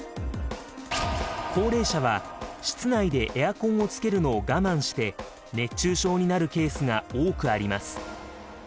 高齢者は室内でエアコンをつけるのを我慢して熱中症になるケースが多くあります。